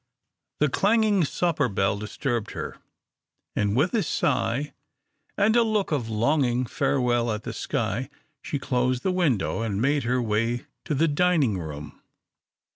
The clanging supper bell disturbed her, and, with a sigh and a look of longing farewell at the sky, she closed the window and made her way to the dining room.